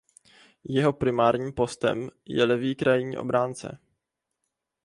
Jeho primárním postem je levý krajní obránce.